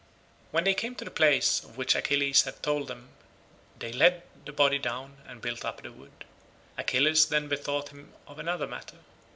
When they came to the place of which Achilles had told them they laid the body down and built up the wood. Achilles then bethought him of another matter.